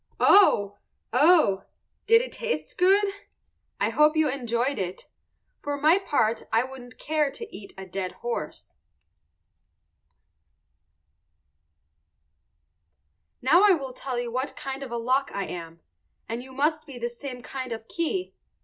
Oh! oh! Did it taste good? I hope you enjoyed it. For my part I wouldn't care to eat a dead horse. Now I will tell you what kind of a lock I am, and you must be the same kind of a key.